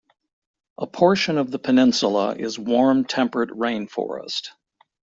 A portion of the peninsula is warm temperate rainforest.